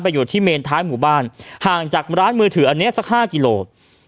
อยู่ที่เมนท้ายหมู่บ้านห่างจากร้านมือถืออันนี้สัก๕กิโล